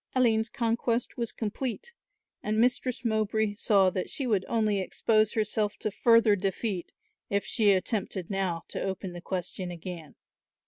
Aline's conquest was complete and Mistress Mowbray saw that she would only expose herself to further defeat if she attempted now to open the question again.